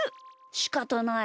しかたない。